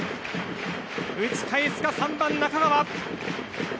打ち返すか、３番、中川。